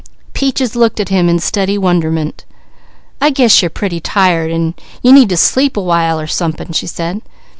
Peaches looked at him in steady wonderment. "I guess you're pretty tired, an' you need to sleep a while, or somepin," she said.